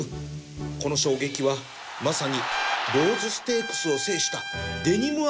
この衝撃はまさにローズステークスを制した